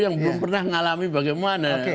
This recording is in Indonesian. yang belum pernah mengalami bagaimana